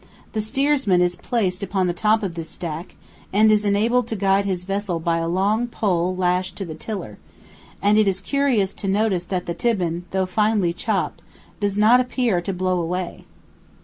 The steersman is placed upon the top of this stack, and is enabled to guide his vessel by a long pole lashed to the tiller, and it is curious to notice that the "tibbin," though finely chopped, does not appear to blow away.